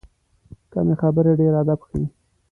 کمې خبرې، ډېر ادب ښیي.